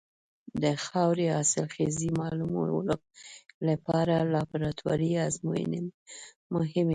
د خاورې د حاصلخېزۍ معلومولو لپاره لابراتواري ازموینې مهمې دي.